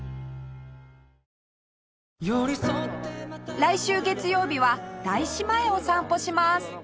来週月曜日は大師前を散歩します